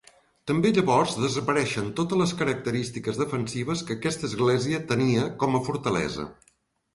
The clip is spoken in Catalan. També llavors desapareixen totes les característiques defensives que aquesta església tenia com a fortalesa.